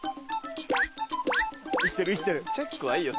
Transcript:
チェックはいいよ。